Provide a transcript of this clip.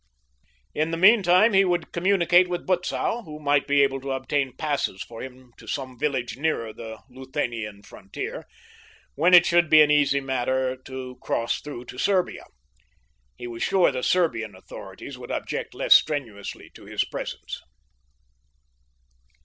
In the meantime he would communicate with Butzow, who might be able to obtain passes for him to some village nearer the Luthanian frontier, when it should be an easy matter to cross through to Serbia. He was sure the Serbian authorities would object less strenuously to his presence.